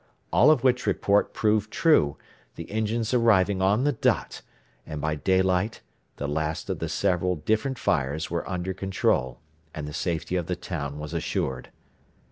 All of which report proved true, the engines arriving on the dot and by daylight the last of the several different fires were under control, and the safety of the town was assured.